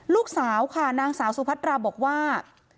ลูกสาวค่ะนางสาวสุพัตราบอกว่า